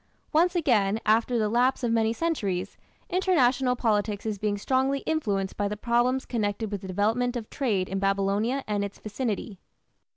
Once again, after the lapse of many centuries, international politics is being strongly influenced by the problems connected with the development of trade in Babylonia and its vicinity.